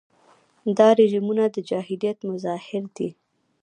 دا رژیمونه د جاهلیت مظاهر دي.